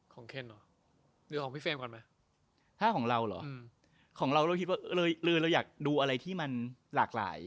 เคนเหรอหรือของพี่เฟรมก่อนไหมถ้าของเราเหรอของเราเราคิดว่าเลยเราอยากดูอะไรที่มันหลากหลาย